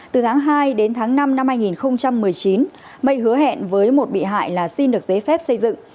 từ tháng hai đến tháng năm năm hai nghìn một mươi chín mây hứa hẹn với một bị hại là xin được giấy phép xây dựng